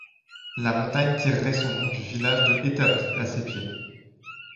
La montagne tirerait son nom du village de établi à ses pieds.